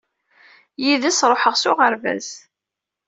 Yid-s i ṛuḥeɣ s uɣerbaz.